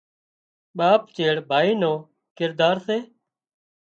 ٻاپ چيڙ ڀائي نو ڪردار سي